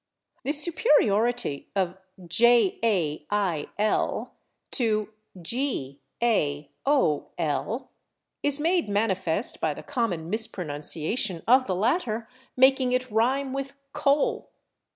The superiority of /jail/ to /gaol/ is made manifest by the common mispronunciation of the latter, making it rhyme with /coal